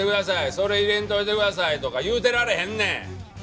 それ入れんといてください」とか言うてられへんねん！